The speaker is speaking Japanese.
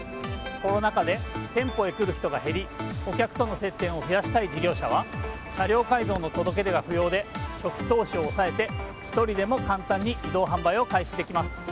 コロナ禍で店舗へ来る人が減り顧客との接点を増やしたい事業者は車両改造の届け出が不要で初期投資を抑えて１人でも簡単に移動販売を開始できます。